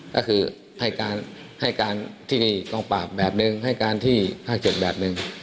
ก็คือให้การที่มีกองปราบแบบนึงให้การที่ภาคเจ็บแบบนึง